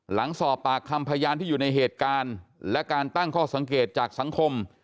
หลังสอบปากคำพยานที่อยู่ในเหตุการณ์และการตั้งข้อสังเกตจากสังคม